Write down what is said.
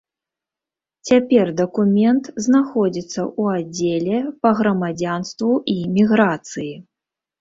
Цяпер дакумент знаходзіцца ў аддзеле па грамадзянству і міграцыі.